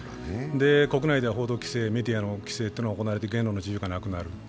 国内では報道規制、メディアの規制が行われて言論の自由がなくなる。